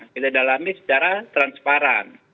kita dalami secara transparan